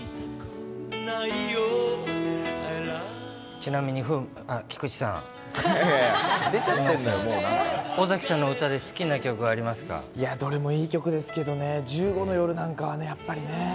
ちなみに風、出ちゃってんのよ、もうなん尾崎さんの歌で好きな曲ありいや、どれもいい曲ですけどね、１５の夜なんかはね、やっぱりね。